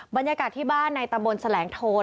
บรรยากาศที่บ้านในตำบลแสลงโทน